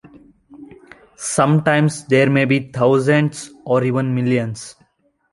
Sometimes there may be thousands or even millions.